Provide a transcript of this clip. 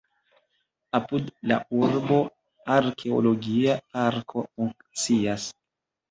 Apud la urbo arkeologia parko funkcias.